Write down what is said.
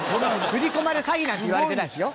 振り込まれ詐欺なんて言われてないですよ。